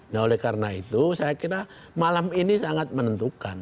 nah oleh karena itu saya kira malam ini sangat menentukan